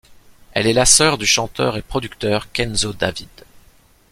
Elle est la sœur du chanteur et Producteur Kenzo David.